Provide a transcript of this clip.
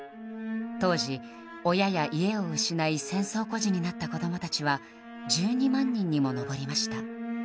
当時、親や家を失い戦争孤児になった子供たちは１２万人にも上りました。